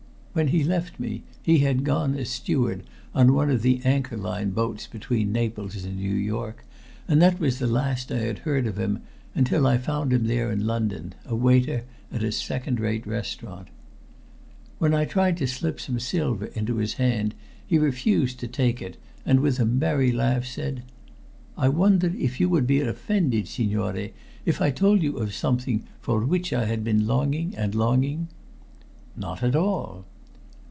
When he left me he had gone as steward on one of the Anchor Line boats between Naples and New York, and that was the last I had heard of him until I found him there in London, a waiter at a second rate restaurant. When I tried to slip some silver into his hand he refused to take it, and with a merry laugh said "I wonder if you would be offended, signore, if I told you of something for which I had been longing and longing?" "Not at all."